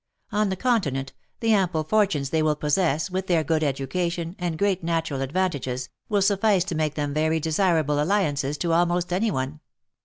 On the continent, the ample fortunes they will possess, with their good education, and great natural advantages, will suffice to make them very desirable alliances to almost any one.